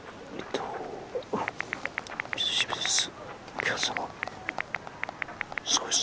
「お久しぶりです。